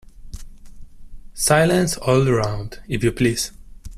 Silence all round, if you please!